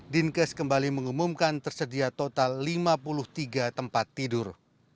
dinkes kembali mengumumkan tersedia total lima puluh tiga tempat tidur